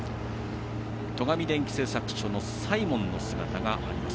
戸上電機製作所サイモンの姿があります。